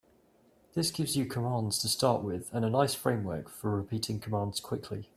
This gives you commands to start with and a nice framework for repeating commands quickly.